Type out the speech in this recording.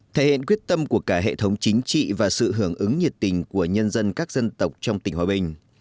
thể hiện quyết tâm của cả hệ thống chính trị và sự hưởng ứng nhiệt tình của nhân dân các dân tộc trong tỉnh hòa bình